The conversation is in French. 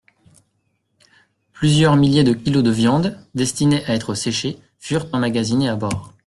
Plusieurs milliers de kilos de viande, destinée à être séchée, furent emmagasinés à bord.